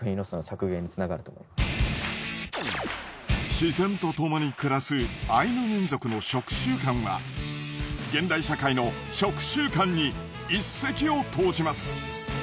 自然とともに暮らすアイヌ民族の食習慣は現代社会の食習慣に一石を投じます。